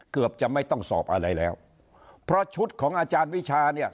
เกือบจะไม่ต้องสอบอะไรแล้วเพราะชุดของอาจารย์วิชาเนี่ย